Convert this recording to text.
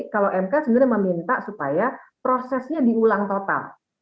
kalau mk sebenarnya meminta supaya prosesnya diulang total